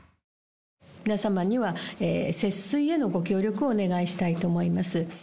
皆様には節水へのご協力をお願いしたいと思います。